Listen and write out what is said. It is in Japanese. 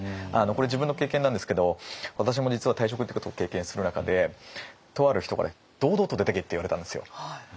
これ自分の経験なんですけど私も実は退職っていうことを経験する中でとある人から「堂々と出ていけ」って言われたんですよ。